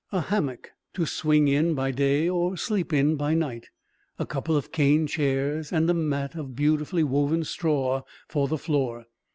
A hammock, to swing in by day or sleep in by night; a couple of cane chairs; and a mat, of beautifully woven straw, for the floor.